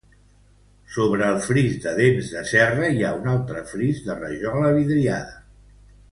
Sobre el fris de dents de serra hi ha un altre fris de rajola vidriada.